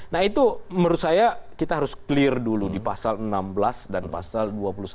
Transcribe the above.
nah itu menurut saya kita harus clear dulu di pasal enam belas dan pasal dua puluh satu